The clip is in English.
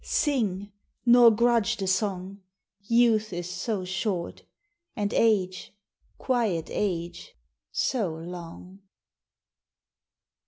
Sing, nor grudge the song Youth is so short, and Age, quiet Age, so long!